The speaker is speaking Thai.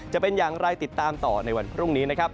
จะเป็นอย่างไรติดตามต่อในวันพรุ่งนี้นะครับ